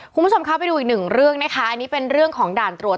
คุณผู้ชมคะไปดูอีกหนึ่งเรื่องนะคะอันนี้เป็นเรื่องของด่านตรวจ